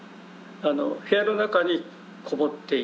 部屋の中に籠もっている。